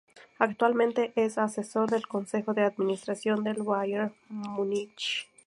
Actualmente es asesor del Consejo de Administración del Bayern Múnich.